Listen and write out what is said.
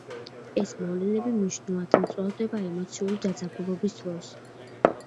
ეს მოვლენები მნიშვნელოვნად მწვავდება ემოციური დაძაბულობის დროს.